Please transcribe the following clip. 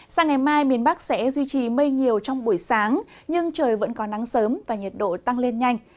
sang ngày mai miền bắc sẽ duy trì mây nhiều trong buổi sáng nhưng trời vẫn có nắng sớm và nhiệt độ tăng lên nhanh